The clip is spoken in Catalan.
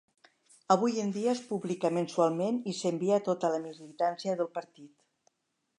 Avui en dia es publica mensualment i s'envia a tota la militància del partit.